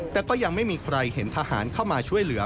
แต่ก็ยังไม่มีใครเห็นทหารเข้ามาช่วยเหลือ